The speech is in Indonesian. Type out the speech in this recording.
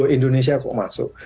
indonesia kok masuk